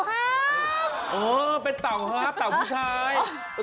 เออเป็นเต่าครับเต่าผู้ชาย